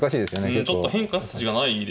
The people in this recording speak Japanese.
うんちょっと変化する筋がないですよね。